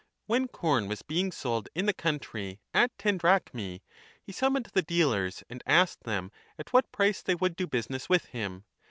When corn was being sold in the country at ten drachmae, i. she summoned the dealers and asked them at what price they would do business with him.